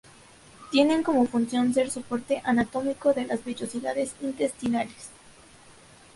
Tienen como función ser soporte anatómico de las vellosidades intestinales.